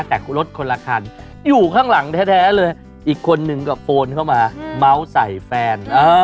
แต่รถคนละคันอยู่ข้างหลังแท้เลยอีกคนนึงก็โฟนเข้ามาเมาส์ใส่แฟน